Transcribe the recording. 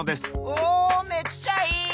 おめっちゃいい！